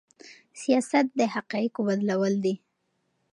سياست د حقايقو بدلول دي.